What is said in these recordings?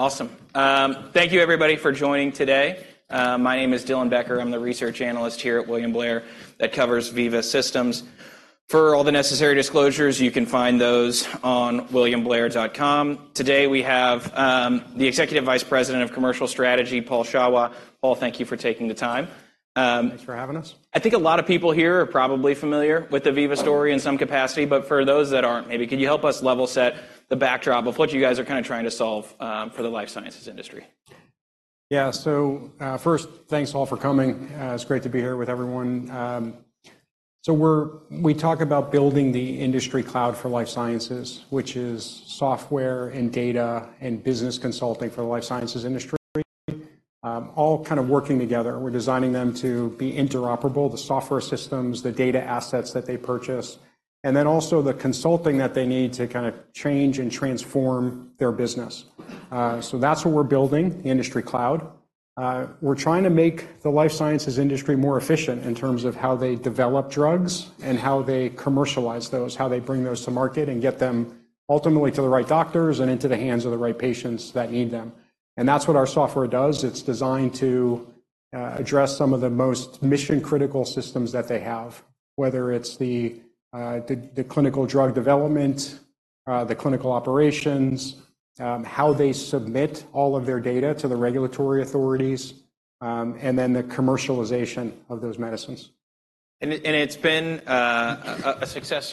Awesome. Thank you everybody for joining today. My name is Dylan Becker. I'm the Research Analyst here at William Blair, that covers Veeva Systems. For all the necessary disclosures, you can find those on williamblair.com. Today, we have, the Executive Vice President of Commercial Strategy, Paul Shawah. Paul, thank you for taking the time. Thanks for having us. I think a lot of people here are probably familiar with the Veeva story in some capacity, but for those that aren't, maybe can you help us level set the backdrop of what you guys are kinda trying to solve for the life sciences industry? Yeah. So, first, thanks, all, for coming. It's great to be here with everyone. So we talk about building the Industry Cloud for life sciences, which is software and data and business consulting for the life sciences industry, all kind of working together. We're designing them to be interoperable, the software systems, the data assets that they purchase, and then also the consulting that they need to kind of change and transform their business. So that's what we're building, the Industry Cloud. We're trying to make the life sciences industry more efficient in terms of how they develop drugs and how they commercialize those, how they bring those to market and get them ultimately to the right doctors and into the hands of the right patients that need them, and that's what our software does. It's designed to address some of the most mission-critical systems that they have, whether it's the clinical drug development, the clinical operations, how they submit all of their data to the regulatory authorities, and then the commercialization of those medicines. It's been a success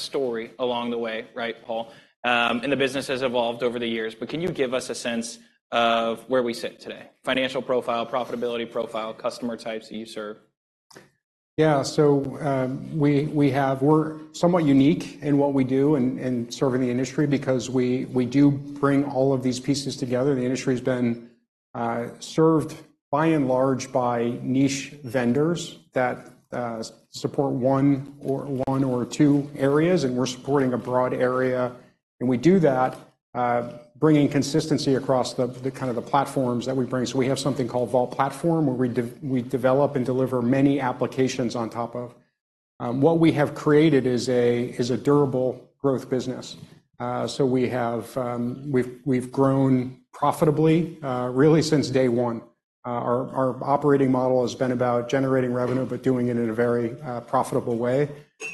story along the way, right, Paul? The business has evolved over the years, but can you give us a sense of where we sit today? Financial profile, profitability profile, customer types that you serve. Yeah, so, we have. We're somewhat unique in what we do in serving the industry because we do bring all of these pieces together. The industry has been served, by and large, by niche vendors that support one or two areas, and we're supporting a broad area. And we do that, bringing consistency across the kind of platforms that we bring. So we have something called Vault Platform, where we develop and deliver many applications on top of. What we have created is a durable growth business. So we've grown profitably, really since day one. Our operating model has been about generating revenue, but doing it in a very profitable way.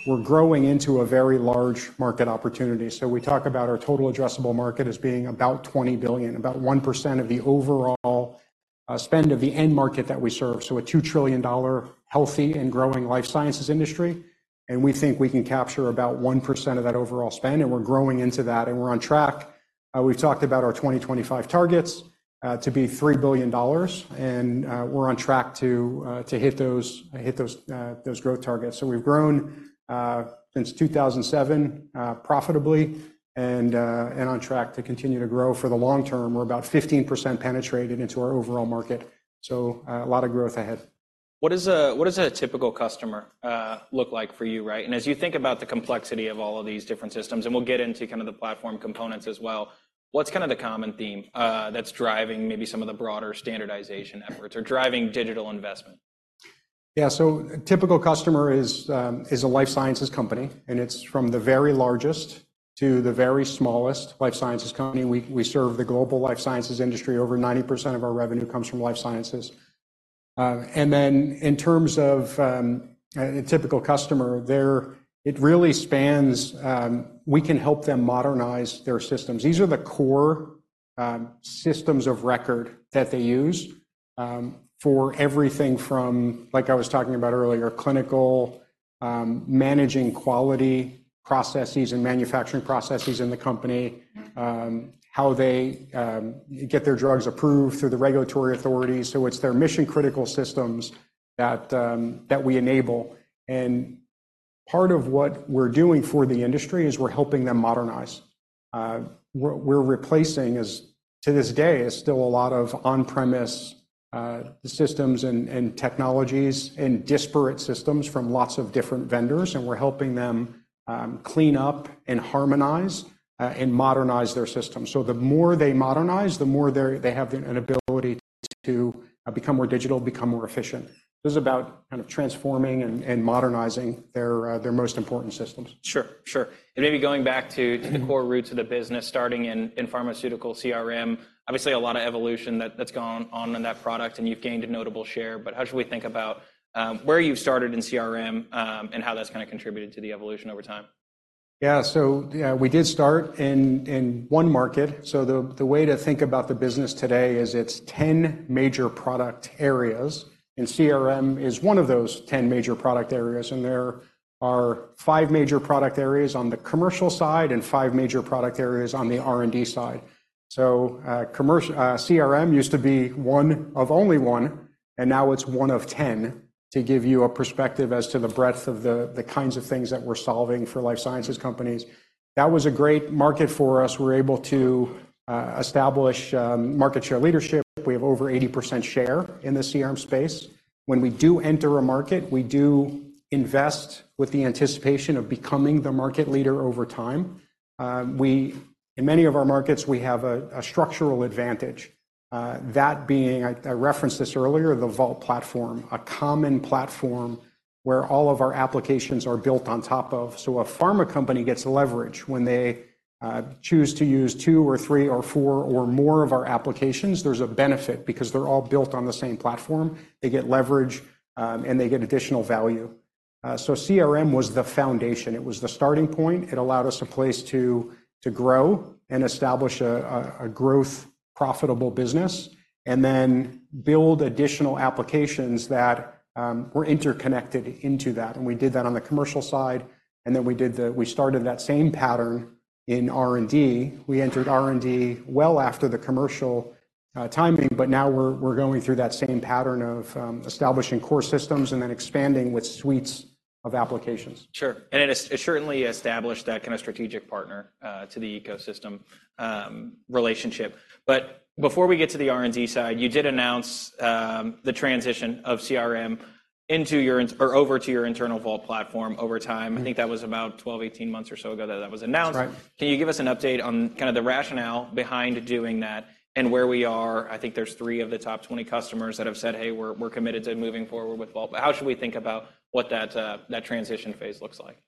We're growing into a very large market opportunity. So we talk about our total addressable market as being about $20 billion, about 1% of the overall spend of the end market that we serve, so a $2 trillion healthy and growing life sciences industry, and we think we can capture about 1% of that overall spend, and we're growing into that, and we're on track. We've talked about our 2025 targets to be $3 billion, and we're on track to hit those, hit those growth targets. So we've grown since 2007 profitably and on track to continue to grow for the long term. We're about 15% penetrated into our overall market, so a lot of growth ahead. What does a typical customer look like for you, right? And as you think about the complexity of all of these different systems, and we'll get into kind of the platform components as well, what's kind of the common theme that's driving maybe some of the broader standardization efforts or driving digital investment? Yeah, so a typical customer is a life sciences company, and it's from the very largest to the very smallest life sciences company. We serve the global life sciences industry. Over 90% of our revenue comes from life sciences. And then in terms of a typical customer, they're- it really spans, we can help them modernize their systems. These are the core systems of record that they use for everything from, like I was talking about earlier, clinical, managing quality processes and manufacturing processes in the company- How they get their drugs approved through the regulatory authorities. So it's their mission-critical systems that we enable, and part of what we're doing for the industry is we're helping them modernize. What we're replacing is, to this day, is still a lot of on-premise systems and technologies and disparate systems from lots of different vendors, and we're helping them clean up and harmonize and modernize their systems. So the more they modernize, the more they have an ability to become more digital, become more efficient. This is about kind of transforming and modernizing their their most important systems. Sure. Sure. And maybe going back to- The core roots of the business, starting in pharmaceutical CRM, obviously, a lot of evolution that's gone on in that product, and you've gained a notable share. But how should we think about where you started in CRM, and how that's kind of contributed to the evolution over time? Yeah, so, yeah, we did start in one market. So the way to think about the business today is it's 10 major product areas, and CRM is one of those 10 major product areas, and there are five major product areas on the commercial side and five major product areas on the R&D side. So, commercial, CRM used to be one of only one, and now it's one of 10, to give you a perspective as to the breadth of the kinds of things that we're solving for life sciences companies. That was a great market for us. We're able to establish market share leadership. We have over 80% share in the CRM space. When we do enter a market, we do invest with the anticipation of becoming the market leader over time. We, in many of our markets, we have a structural advantage, that being, I referenced this earlier, the Vault Platform, a common platform where all of our applications are built on top of. So a pharma company gets leverage when they choose to use two or three or four or more of our applications, there's a benefit because they're all built on the same platform. They get leverage, and they get additional value. So CRM was the foundation. It was the starting point. It allowed us a place to grow and establish a growth profitable business, and then build additional applications that were interconnected into that. And we did that on the commercial side, and then we started that same pattern in R&D. We entered R&D well after the commercial timing, but now we're going through that same pattern of establishing core systems and then expanding with suites of applications. Sure. And it, it certainly established that kind of strategic partner to the ecosystem relationship. But before we get to the R&D side, you did announce the transition of CRM or over to your internal Vault Platform over time. I think that was about 12 months, 18 months or so ago that that was announced. That's right. Can you give us an update on kind of the rationale behind doing that and where we are? I think there's three of the top twenty customers that have said, "Hey, we're, we're committed to moving forward with Vault." How should we think about what that, that transition phase looks like?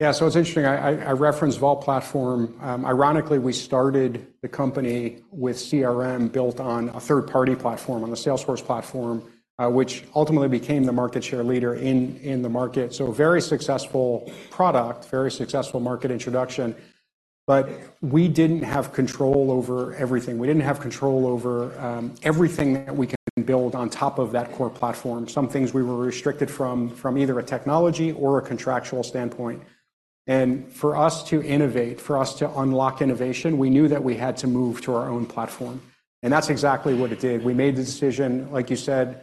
Yeah, so it's interesting. I referenced Vault Platform. Ironically, we started the company with CRM built on a third-party platform, on the Salesforce platform, which ultimately became the market share leader in the market. So a very successful product, very successful market introduction, but we didn't have control over everything. We didn't have control over everything that we could build on top of that core platform. Some things we were restricted from, from either a technology or a contractual standpoint. And for us to innovate, for us to unlock innovation, we knew that we had to move to our own platform, and that's exactly what it did. We made the decision, like you said,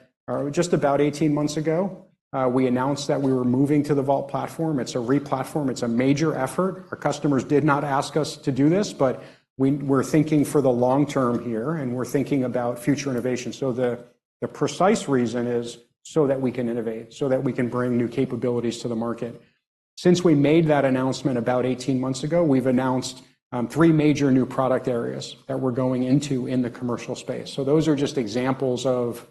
just about 18 months ago. We announced that we were moving to the Vault Platform. It's a replatform, it's a major effort. Our customers did not ask us to do this, but we're thinking for the long term here, and we're thinking about future innovation. So the precise reason is so that we can innovate, so that we can bring new capabilities to the market. Since we made that announcement about 18 months ago, we've announced three major new product areas that we're going into in the commercial space. So those are just examples of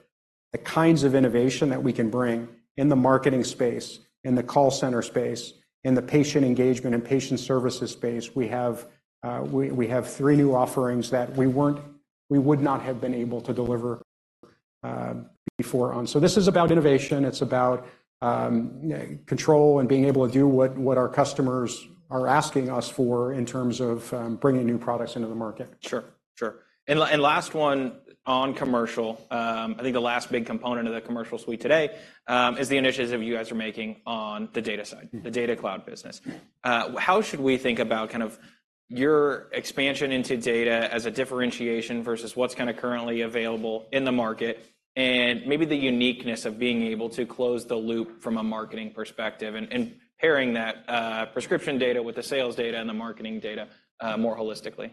the kinds of innovation that we can bring in the marketing space, in the call center space, in the patient engagement and patient services space. We have three new offerings that we would not have been able to deliver before on. So this is about innovation. It's about control and being able to do what, what our customers are asking us for in terms of bringing new products into the market. Sure, sure. And last one on commercial, I think the last big component of the commercial suite today, is the initiatives you guys are making on the data side- The Data Cloud business. How should we think about kind of your expansion into data as a differentiation versus what's kinda currently available in the market, and maybe the uniqueness of being able to close the loop from a marketing perspective, and, and pairing that, prescription data with the sales data and the marketing data, more holistically?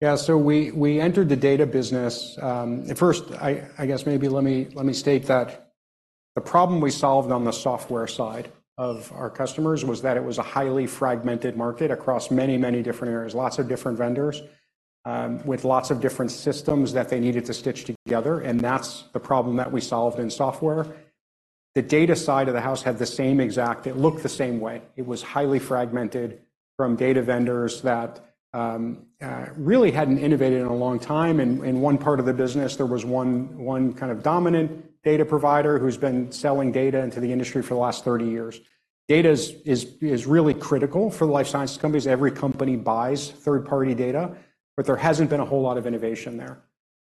Yeah. So we entered the data business. At first, I guess maybe let me state that the problem we solved on the software side of our customers was that it was a highly fragmented market across many, many different areas, lots of different vendors, with lots of different systems that they needed to stitch together, and that's the problem that we solved in software. The data side of the house had the same exact. It looked the same way. It was highly fragmented from data vendors that really hadn't innovated in a long time. In one part of the business, there was one kind of dominant data provider who's been selling data into the industry for the last 30 years. Data is really critical for the life sciences companies. Every company buys third-party data, but there hasn't been a whole lot of innovation there.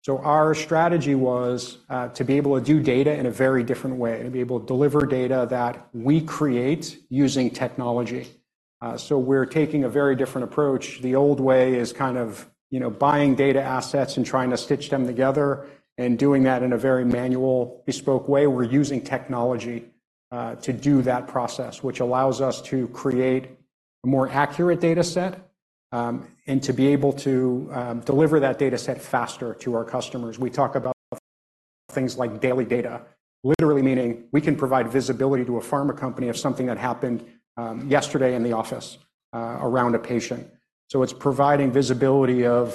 So our strategy was to be able to do data in a very different way, to be able to deliver data that we create using technology. So we're taking a very different approach. The old way is kind of, you know, buying data assets and trying to stitch them together, and doing that in a very manual, bespoke way. We're using technology to do that process, which allows us to create a more accurate data set, and to be able to deliver that data set faster to our customers. We talk about things like daily data, literally meaning we can provide visibility to a pharma company of something that happened yesterday in the office around a patient. So it's providing visibility of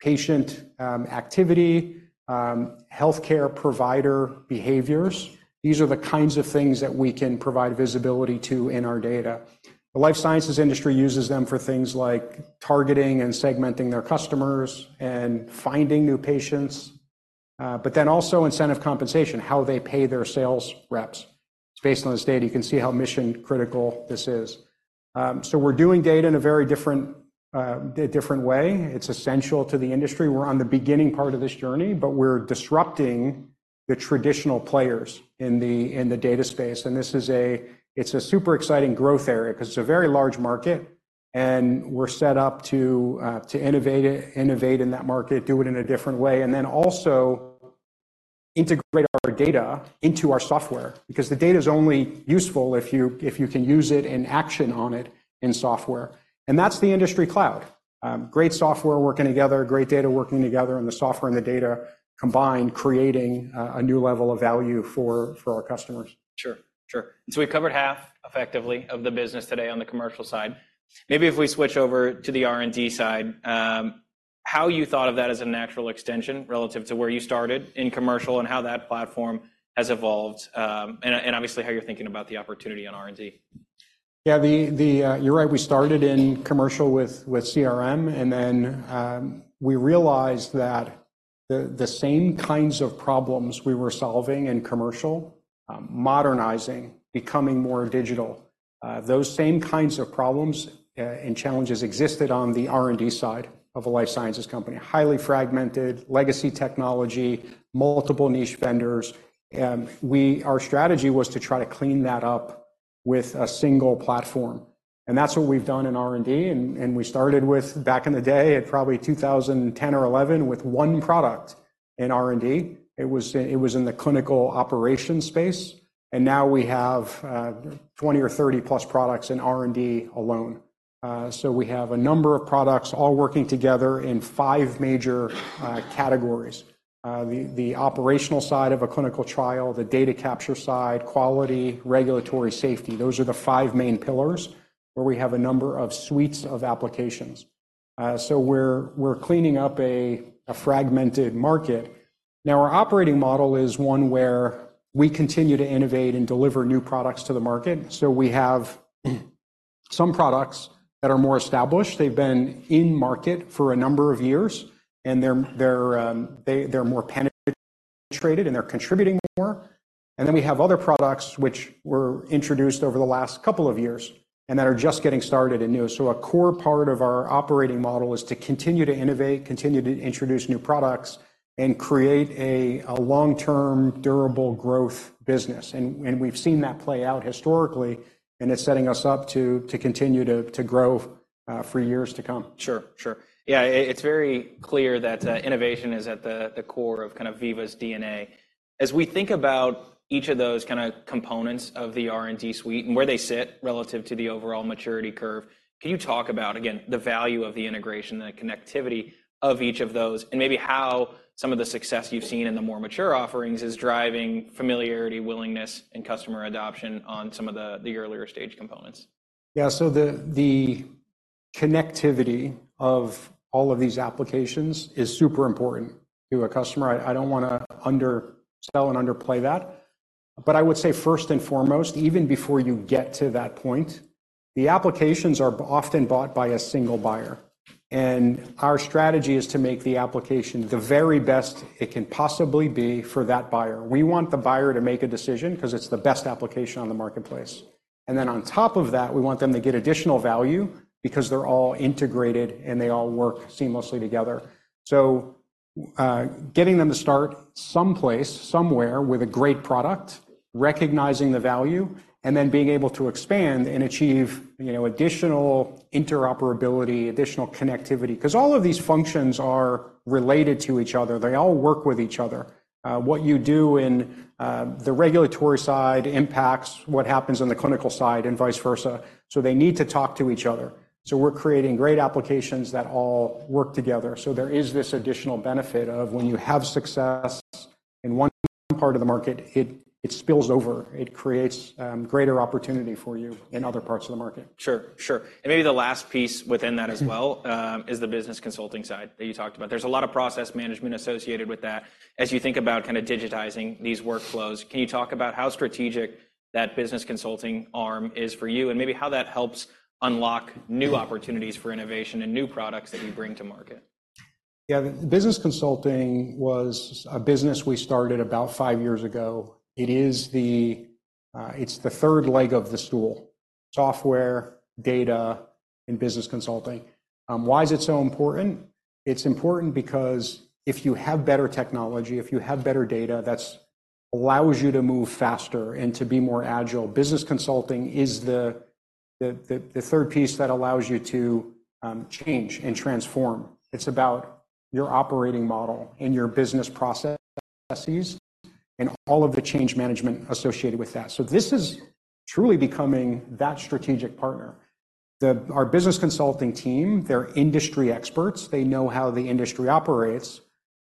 patient activity, healthcare provider behaviors. These are the kinds of things that we can provide visibility to in our data. The life sciences industry uses them for things like targeting and segmenting their customers and finding new patients, but then also incentive compensation, how they pay their sales reps. Based on this data, you can see how mission-critical this is. So we're doing data in a very different way. It's essential to the industry. We're on the beginning part of this journey, but we're disrupting the traditional players in the, in the data space, and this is it's a super exciting growth area 'cause it's a very large market, and we're set up to, to innovate it, innovate in that market, do it in a different way, and then also integrate our data into our software, because the data is only useful if you, if you can use it and action on it in software. And that's the Industry Cloud. Great software working together, great data working together, and the software and the data combined creating a new level of value for, for our customers. Sure, sure. So we've covered half, effectively, of the business today on the commercial side. Maybe if we switch over to the R&D side, how you thought of that as a natural extension relative to where you started in commercial, and how that platform has evolved, and obviously, how you're thinking about the opportunity on R&D? Yeah, you're right. We started in commercial with CRM, and then, we realized that the same kinds of problems we were solving in commercial, modernizing, becoming more digital, those same kinds of problems, and challenges existed on the R&D side of a life sciences company. Highly fragmented, legacy technology, multiple niche vendors, our strategy was to try to clean that up with a single platform, and that's what we've done in R&D. We started with, back in the day, in probably 2010 or 2011, with one product in R&D. It was in the clinical operations space, and now we have 20 or 30+ products in R&D alone. So we have a number of products all working together in five major categories. The operational side of a clinical trial, the data capture side, quality, regulatory, safety. Those are the five main pillars, where we have a number of suites of applications. So we're cleaning up a fragmented market. Now, our operating model is one where we continue to innovate and deliver new products to the market. So we have some products that are more established. They've been in market for a number of years, and they're more penetrated, and they're contributing more. And then we have other products which were introduced over the last couple of years and that are just getting started and new. So a core part of our operating model is to continue to innovate, continue to introduce new products, and create a long-term, durable growth business. And we've seen that play out historically, and it's setting us up to continue to grow for years to come. Sure, sure. Yeah, it's very clear that innovation is at the core of kind of Veeva's DNA. As we think about each of those kind of components of the R&D suite and where they sit relative to the overall maturity curve, can you talk about, again, the value of the integration and the connectivity of each of those, and maybe how some of the success you've seen in the more mature offerings is driving familiarity, willingness, and customer adoption on some of the earlier-stage components? Yeah, so the connectivity of all of these applications is super important to a customer. I don't wanna under-sell and underplay that. But I would say, first and foremost, even before you get to that point, the applications are often bought by a single buyer, and our strategy is to make the application the very best it can possibly be for that buyer. We want the buyer to make a decision 'cause it's the best application on the marketplace, and then on top of that, we want them to get additional value because they're all integrated, and they all work seamlessly together. So, getting them to start someplace, somewhere, with a great product, recognizing the value, and then being able to expand and achieve, you know, additional interoperability, additional connectivity, 'cause all of these functions are related to each other. They all work with each other. What you do in the regulatory side impacts what happens on the clinical side, and vice versa, so they need to talk to each other. We're creating great applications that all work together. There is this additional benefit of when you have success in one part of the market, it spills over. It creates greater opportunity for you in other parts of the market. Sure. Sure, and maybe the last piece within that as well- As the business consulting side that you talked about. There's a lot of process management associated with that. As you think about kind of digitizing these workflows, can you talk about how strategic that business consulting arm is for you, and maybe how that helps unlock new opportunities for innovation and new products that you bring to market? Yeah, business consulting was a business we started about five years ago. It is the, it's the third leg of the stool: software, data, and business consulting. Why is it so important? It's important because if you have better technology, if you have better data, that's allows you to move faster and to be more agile. Business consulting is the third piece that allows you to change and transform. It's about your operating model and your business process, processes and all of the change management associated with that. So this is truly becoming that strategic partner. Our business consulting team, they're industry experts. They know how the industry operates,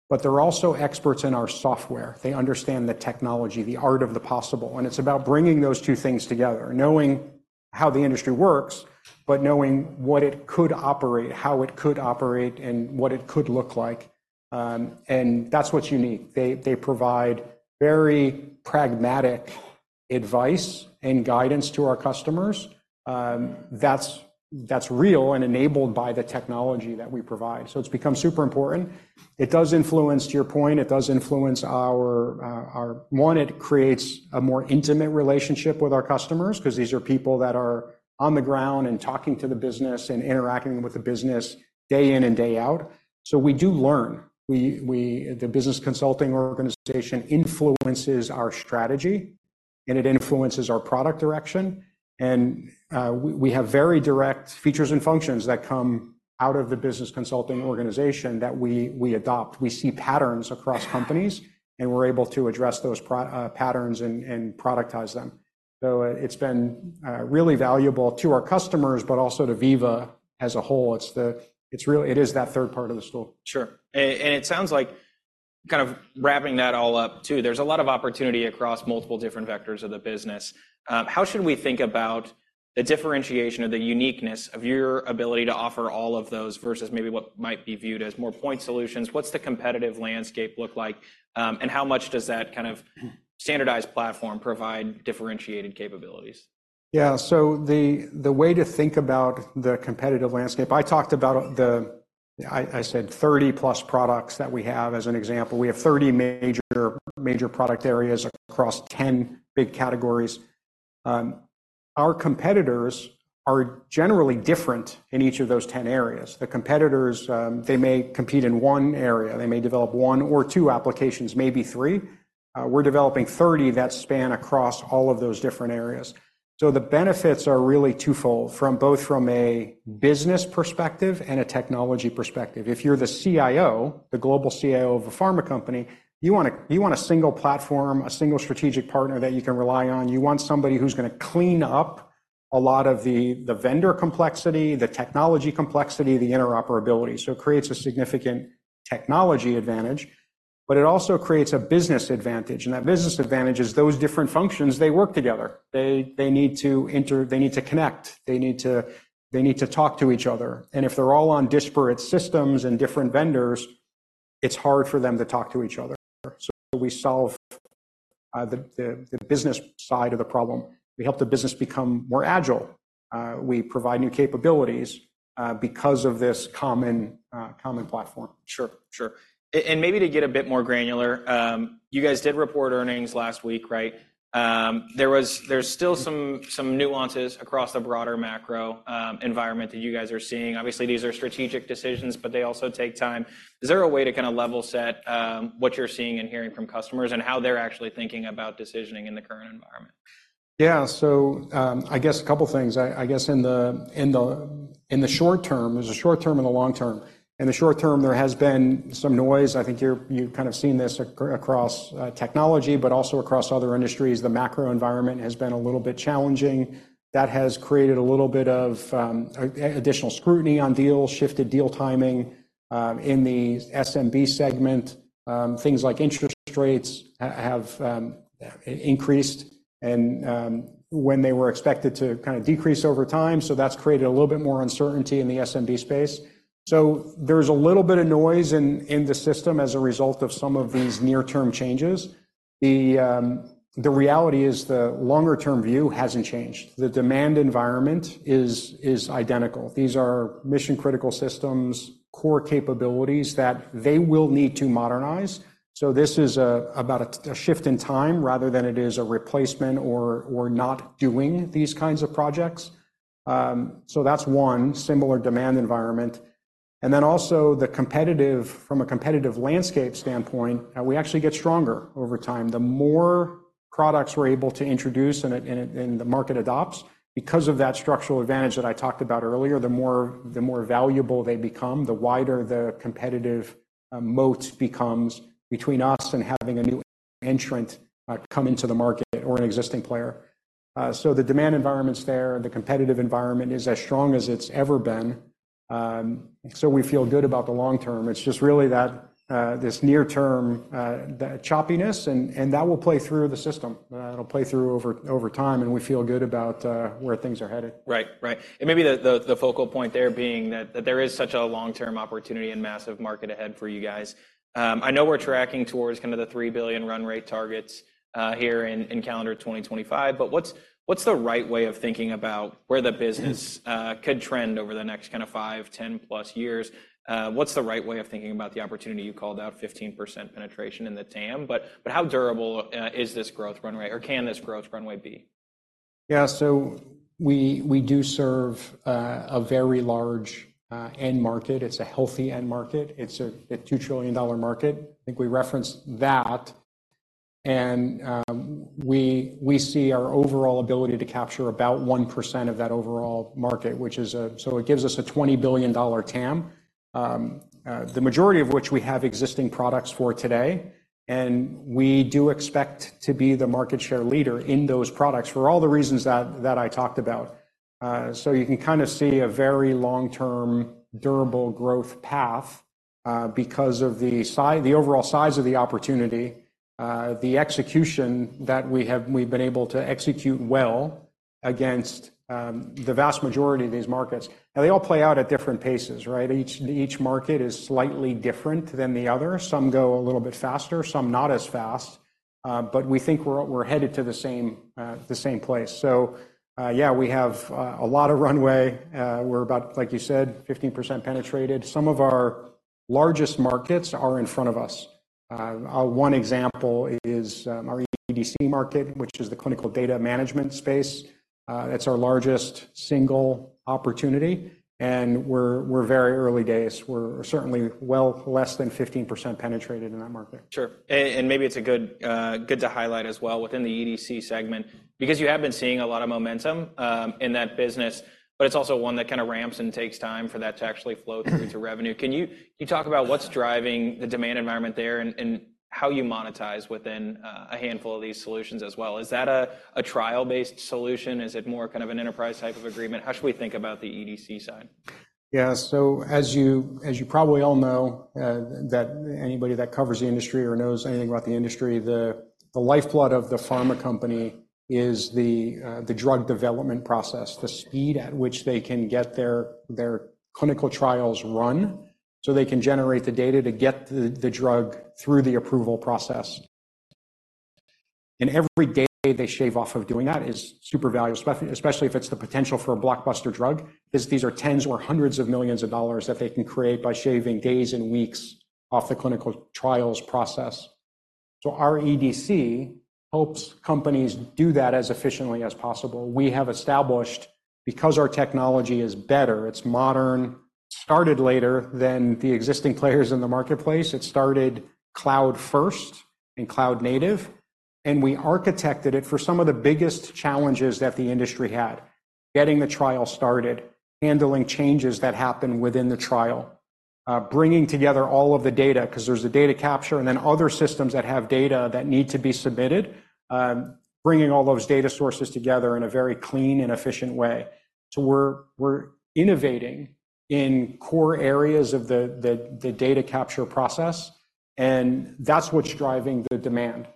but they're also experts in our software. They understand the technology, the art of the possible, and it's about bringing those two things together, knowing how the industry works, but knowing what it could operate, how it could operate, and what it could look like. And that's what's unique. They provide very pragmatic advice and guidance to our customers. That's real and enabled by the technology that we provide. So it's become super important. It does influence, to your point, it does influence our. It creates a more intimate relationship with our customers, 'cause these are people that are on the ground and talking to the business and interacting with the business day in and day out, so we do learn. We the business consulting organization influences our strategy, and it influences our product direction, and we have very direct features and functions that come out of the business consulting organization that we adopt. We see patterns across companies, and we're able to address those patterns and productize them. So it's been really valuable to our customers, but also to Veeva as a whole. It's the, it is that third part of the stool. Sure. And it sounds like, kind of wrapping that all up, too, there's a lot of opportunity across multiple different vectors of the business. How should we think about the differentiation or the uniqueness of your ability to offer all of those, versus maybe what might be viewed as more point solutions? What's the competitive landscape look like, and how much does that kind of standardized platform provide differentiated capabilities? Yeah. So the way to think about the competitive landscape, I talked about the, I said 30+ products that we have as an example. We have 30 major product areas across 10 big categories. Our competitors are generally different in each of those 10 areas. The competitors, they may compete in one area. They may develop one or two applications, maybe three. We're developing 30 that span across all of those different areas. So the benefits are really twofold, from both a business perspective and a technology perspective. If you're the CIO, the global CIO of a pharma company, you want a single platform, a single strategic partner that you can rely on. You want somebody who's gonna clean up a lot of the vendor complexity, the technology complexity, the interoperability. So it creates a significant technology advantage, but it also creates a business advantage, and that business advantage is those different functions, they work together. They need to connect, they need to talk to each other, and if they're all on disparate systems and different vendors, it's hard for them to talk to each other. So we solve the business side of the problem. We help the business become more agile. We provide new capabilities because of this common platform. Sure, sure. And maybe to get a bit more granular, you guys did report earnings last week, right? There's still some nuances across the broader macro environment that you guys are seeing. Obviously, these are strategic decisions, but they also take time. Is there a way to kind of level set what you're seeing and hearing from customers, and how they're actually thinking about decisioning in the current environment? Yeah. So, I guess a couple of things. I guess in the short term there's a short term and a long term. In the short term, there has been some noise. I think you've kind of seen this across technology, but also across other industries. The macro environment has been a little bit challenging. That has created a little bit of additional scrutiny on deals, shifted deal timing in the SMB segment. Things like interest rates have increased and, when they were expected to kind of decrease over time, so that's created a little bit more uncertainty in the SMB space. So there's a little bit of noise in the system as a result of some of these near-term changes. The reality is the longer-term view hasn't changed. The demand environment is identical. These are mission-critical systems, core capabilities that they will need to modernize. So this is about a shift in time rather than it is a replacement or not doing these kinds of projects. So that's one similar demand environment. And then also the competitive, from a competitive landscape standpoint, we actually get stronger over time. The more products we're able to introduce and the market adopts, because of that structural advantage that I talked about earlier, the more valuable they become, the wider the competitive moat becomes between us and having a new entrant come into the market or an existing player. So the demand environment's there, the competitive environment is as strong as it's ever been. So we feel good about the long term. It's just really that, this near term, the choppiness, and that will play through the system. It'll play through over time, and we feel good about where things are headed. Right. Right. And maybe the focal point there being that there is such a long-term opportunity and massive market ahead for you guys. I know we're tracking towards kind of the $3 billion run rate targets here in calendar 2025, but what's the right way of thinking about where the business could trend over the next kind of five, 10+ years? What's the right way of thinking about the opportunity you called out, 15% penetration in the TAM, but how durable is this growth run rate, or can this growth runway be? Yeah. So we do serve a very large end market. It's a healthy end market. It's a $2 trillion market. I think we referenced that, and we see our overall ability to capture about 1% of that overall market, which is so it gives us a $20 billion TAM. The majority of which we have existing products for today, and we do expect to be the market share leader in those products for all the reasons that I talked about. So you can kind of see a very long-term, durable growth path because of the overall size of the opportunity, the execution that we have, we've been able to execute well against the vast majority of these markets. Now, they all play out at different paces, right? Each market is slightly different than the other. Some go a little bit faster, some not as fast, but we think we're headed to the same place. So, yeah, we have a lot of runway. We're about, like you said, 15% penetrated. Some of our largest markets are in front of us. One example is our EDC market, which is the clinical data management space. It's our largest single opportunity, and we're very early days. We're certainly well less than 15% penetrated in that market. Sure. And maybe it's a good, good to highlight as well within the EDC segment, because you have been seeing a lot of momentum in that business, but it's also one that kind of ramps and takes time for that to actually flow through to revenue. Can you talk about what's driving the demand environment there and how you monetize within a handful of these solutions as well? Is that a trial-based solution? Is it more kind of an enterprise type of agreement? How should we think about the EDC side? Yeah, so as you probably all know, that anybody that covers the industry or knows anything about the industry, the lifeblood of the pharma company is the drug development process. The speed at which they can get their clinical trials run, so they can generate the data to get the drug through the approval process. And every day they shave off of doing that is super valuable, especially if it's the potential for a blockbuster drug, 'cause these are $10s or $100s of millions that they can create by shaving days and weeks off the clinical trials process. So our EDC helps companies do that as efficiently as possible. We have established, because our technology is better, it's modern, started later than the existing players in the marketplace. It started cloud-first and cloud-native, and we architected it for some of the biggest challenges that the industry had. Getting the trial started, handling changes that happen within the trial, bringing together all of the data, 'cause there's the data capture, and then other systems that have data that need to be submitted. Bringing all those data sources together in a very clean and efficient way. So we're innovating in core areas of the data capture process, and that's what's driving the demand.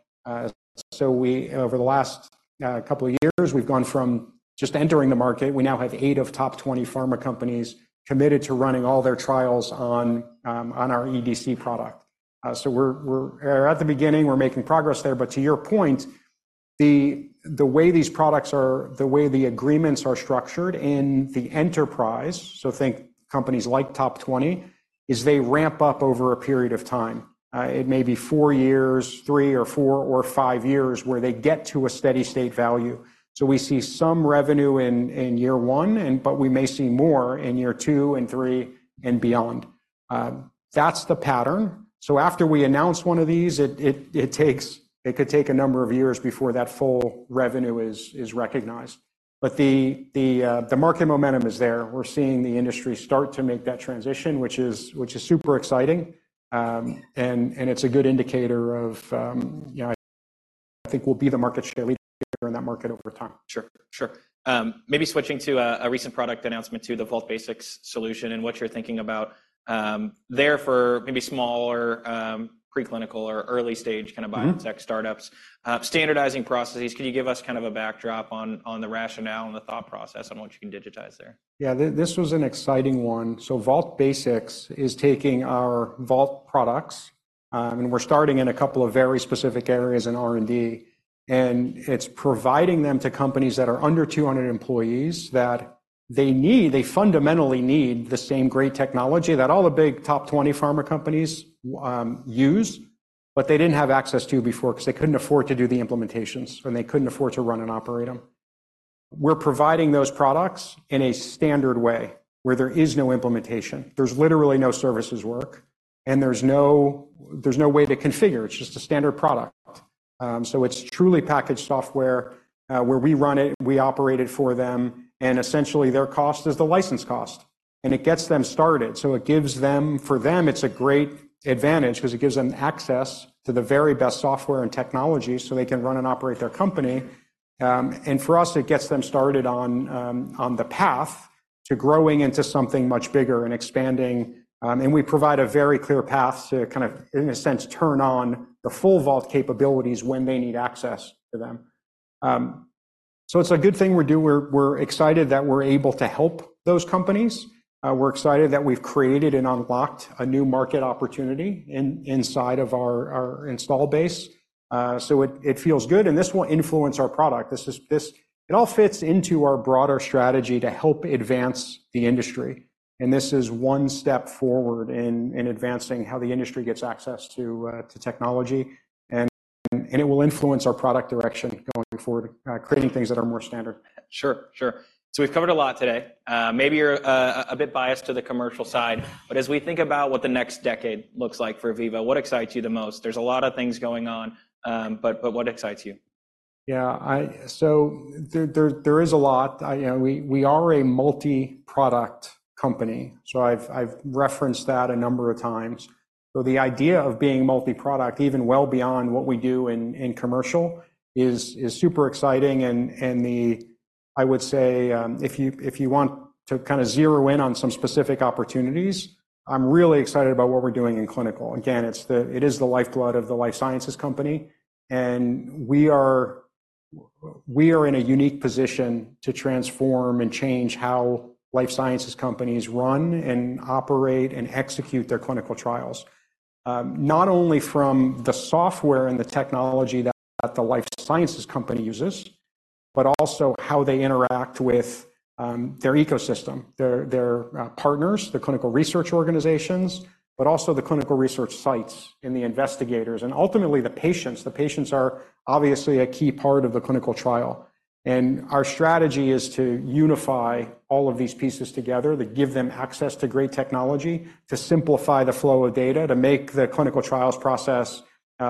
So we, over the last couple of years, we've gone from just entering the market, we now have eight of top 20 pharma companies committed to running all their trials on our EDC product. So we're at the beginning, we're making progress there, but to your point, the way these products are... The way the agreements are structured in the enterprise, so think companies like top 20, is they ramp up over a period of time. It may be four years, three or four or five years, where they get to a steady state value. So we see some revenue in year one, and but we may see more in year two and three and beyond. That's the pattern, so after we announce one of these, it takes. It could take a number of years before that full revenue is recognized. But the market momentum is there. We're seeing the industry start to make that transition, which is super exciting. And it's a good indicator of, you know, I think we'll be the market share leader in that market over time. Sure, sure. Maybe switching to a recent product announcement to the Vault Basics solution and what you're thinking about there for maybe smaller, preclinical or early-stage kind of biotech startups. Mm-hmm Standardizing processes, can you give us kind of a backdrop on, on the rationale and the thought process on what you can digitize there? Yeah. This was an exciting one. So Vault Basics is taking our Vault products, and we're starting in a couple of very specific areas in R&D, and it's providing them to companies that are under 200 employees that they need, they fundamentally need the same great technology that all the big top 20 pharma companies use, but they didn't have access to before, 'cause they couldn't afford to do the implementations, and they couldn't afford to run and operate them. We're providing those products in a standard way, where there is no implementation. There's literally no services work, and there's no way to configure. It's just a standard product. So it's truly packaged software, where we run it, we operate it for them, and essentially, their cost is the license cost, and it gets them started. So it gives them... For them, it's a great advantage, 'cause it gives them access to the very best software and technology, so they can run and operate their company. And for us, it gets them started on the path to growing into something much bigger and expanding. And we provide a very clear path to kind of, in a sense, turn on the full Vault capabilities when they need access to them. So it's a good thing we do. We're excited that we're able to help those companies. We're excited that we've created and unlocked a new market opportunity inside of our installed base. So it feels good, and this will influence our product. This is, it all fits into our broader strategy to help advance the industry, and this is one step forward in advancing how the industry gets access to technology, and it will influence our product direction going forward, creating things that are more standard. Sure, sure. So we've covered a lot today. Maybe you're a bit biased to the commercial side, but as we think about what the next decade looks like for Veeva, what excites you the most? There's a lot of things going on, but what excites you? Yeah, so there is a lot. You know, we are a multi-product company, so I've referenced that a number of times. So the idea of being multi-product, even well beyond what we do in commercial, is super exciting, and I would say, if you want to kind of zero in on some specific opportunities, I'm really excited about what we're doing in clinical. Again, it is the lifeblood of the life sciences company, and we are in a unique position to transform and change how life sciences companies run and operate and execute their clinical trials. Not only from the software and the technology that the life sciences company uses, but also how they interact with their ecosystem, their partners, the clinical research organizations, but also the clinical research sites and the investigators, and ultimately, the patients. The patients are obviously a key part of the clinical trial, and our strategy is to unify all of these pieces together, to give them access to great technology, to simplify the flow of data, to make the clinical trials process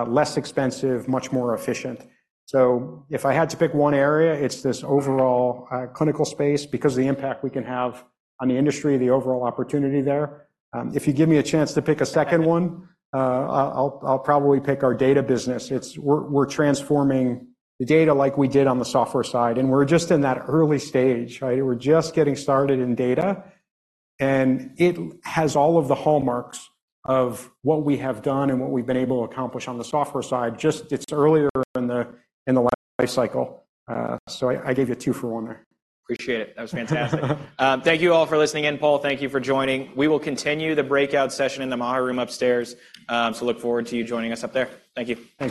less expensive, much more efficient. So if I had to pick one area, it's this overall clinical space, because the impact we can have on the industry, the overall opportunity there. If you give me a chance to pick a second one, I'll probably pick our data business. We're transforming the data like we did on the software side, and we're just in that early stage, right? We're just getting started in data, and it has all of the hallmarks of what we have done and what we've been able to accomplish on the software side. Just, it's earlier in the lifecycle. So I gave you two for one there. Appreciate it. That was fantastic. Thank you all for listening in. Paul, thank you for joining. We will continue the breakout session in the Maher room upstairs, so look forward to you joining us up there. Thank you. Thanks.